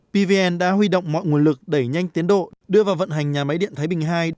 pvn đã huy động mọi nguồn lực đẩy nhanh tiến độ đưa vào vận hành nhà máy điện thái bình ii